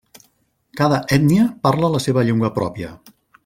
Cada ètnia parla la seva llengua pròpia.